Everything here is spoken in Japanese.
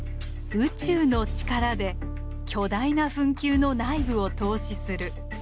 宇宙の力で巨大な墳丘の内部を透視する。